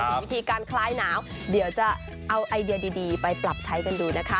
วิธีการคลายหนาวเดี๋ยวจะเอาไอเดียดีไปปรับใช้กันดูนะคะ